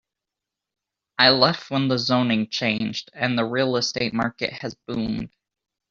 I left when the zoning changed and the real estate market has boomed.